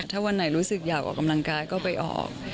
ถ้าวันไหนรู้สึกอยากออกกำลังกายก็ไปออก